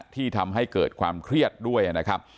ที่ทำให้เกิดความเครียดด้วยนะครับ